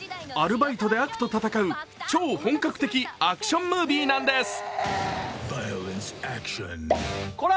アルバイトで悪と戦う超本格的アクションムービーなんです。